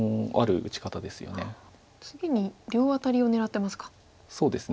次に両アタリを狙ってますか。